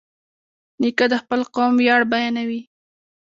نیکه د خپل قوم ویاړ بیانوي.